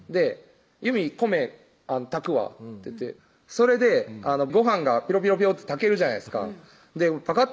祐美「米炊くわ」って言ってそれでごはんがピロピロピロッて炊けるじゃないですかパカ